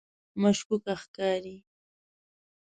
مشکوکه ښکاري.